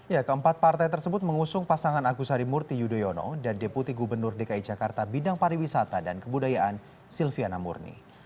ya keempat partai tersebut mengusung pasangan agus harimurti yudhoyono dan deputi gubernur dki jakarta bidang pariwisata dan kebudayaan silviana murni